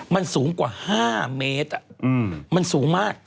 มันสูงกว่า๕เมตรมันสูงมาก